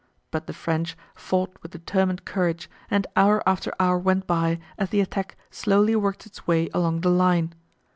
But the French fought with determined courage, and hour after hour went by as the attack slowly worked its way along the line.